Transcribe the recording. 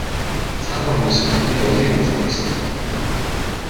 Цагаан хүмүүс биднийг олон юманд сургасан.